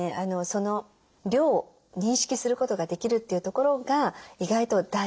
その量を認識することができるというところが意外と大事ですね。